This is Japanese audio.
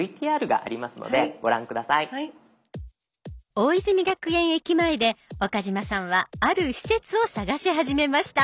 大泉学園駅前で岡嶋さんはある施設を探し始めました。